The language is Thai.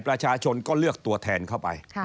ประชาชนก็เลือกตัวแทนเข้าไป